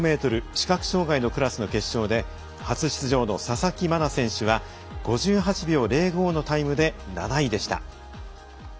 視覚障がいのクラスの決勝で初出場の佐々木真菜選手は５８秒０５のタイムで７位でした。